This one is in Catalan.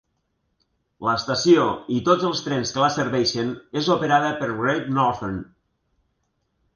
L'estació, i tots els trens que la serveixen, és operada per Great Northern.